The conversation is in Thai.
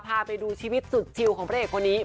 พาไปดูชีวิตสุดชิวของพระเอกคนนี้